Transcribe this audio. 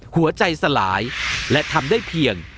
หัวใจสลายและทำได้เพียง